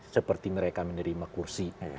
seperti mereka menerima kursi